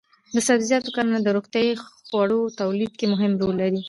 د سبزیجاتو کرنه د روغتیايي خوړو تولید کې مهم رول لري.